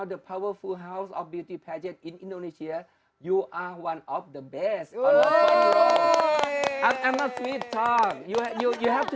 tapi sekarang pajet pajet kekuatan di indonesia kamu adalah salah satu dari yang terbaik di indonesia